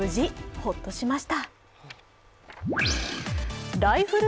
ほっとしました。